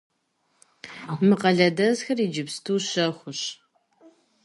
Мы къалэдэсхэр иджыпсту щэхущ.